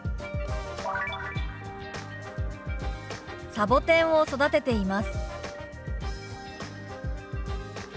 「サボテンを育てています」。